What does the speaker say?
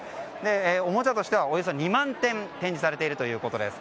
おもちゃとしてはおよそ２万点展示されているということです。